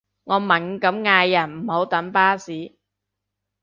我猛咁嗌人唔好等巴士